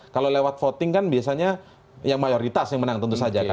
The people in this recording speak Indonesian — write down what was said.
kalau lewat voting kan biasanya ya mayoritas yang menang tentu saja kan